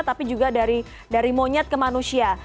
tapi juga dari monyet ke manusia